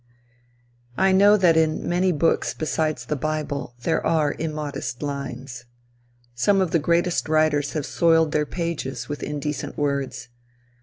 I know that in many books besides the bible there are immodest lines. Some of the greatest writers have soiled their pages with indecent words.